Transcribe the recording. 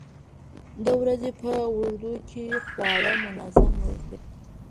د ورځې په اوږدو کې خواړه منظم وخورئ.